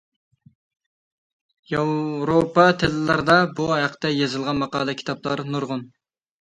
ياۋروپا تىللىرىدا بۇ ھەقتە يېزىلغان ماقالە، كىتابلار نۇرغۇن.